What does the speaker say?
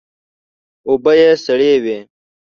اوبه یې سړې وې.